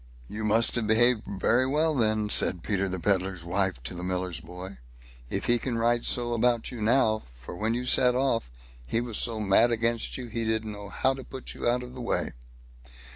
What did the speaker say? "You must have behaved very well then", said Peter, the Pedlar's wife to the miller's boy, "if he can write so about you now, for when you set off, he was so mad against you, he didn't know how to put you out of the way."